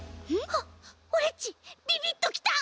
あっオレっちビビッときた！